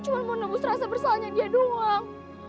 cuma mau nebus rasa bersoalnya dia doang